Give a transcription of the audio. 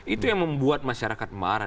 itu yang membuat masyarakat marah